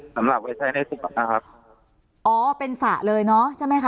สำหรับไว้ใช้ในสุขอ่ะนะครับอ๋อเป็นสระเลยเนอะใช่ไหมคะ